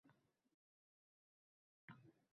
Harakatidan bezovtaroqday, yurishlari ham tez, ildam